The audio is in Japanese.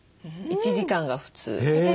１時間が普通？